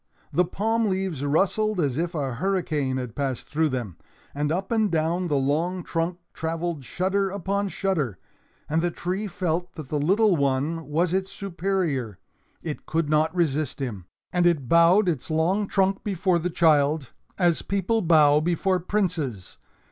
The palm leaves rustled as if a hurricane had passed through them, and up and down the long trunk traveled shudder upon shudder. And the tree felt that the little one was its superior. It could not resist him. And it bowed its long trunk before the child, as people bow before princes.